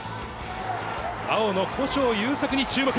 青の古性優作に注目。